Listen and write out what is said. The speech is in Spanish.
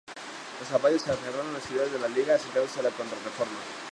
Las abadías se aferran a las ideas de la Liga, acercándose a la Contrarreforma.